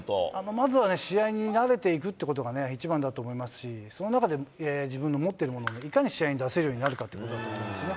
まずは試合に慣れていくということが一番だと思いますし、その中で、自分の持ってるものをいかに試合に出せるようになるかということだと思いますね。